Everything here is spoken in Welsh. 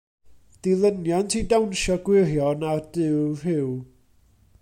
Dilyniant i Dawnsio Gwirion a'r Duw Rhyw.